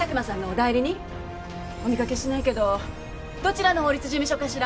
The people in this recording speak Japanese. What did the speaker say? お見かけしないけどどちらの法律事務所かしら？